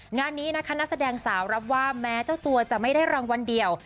งานนี้นะคะนักแสดงสาวรับว่าแม้เจ้าตัวจะไม่ได้รางวัลเดียว